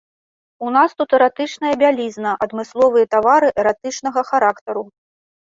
У нас тут эратычная бялізна, адмысловыя тавары эратычнага характару.